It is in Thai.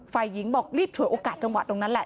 ฝ่ายหญิงบอกรีบฉวยโอกาสจังหวะตรงนั้นแหละ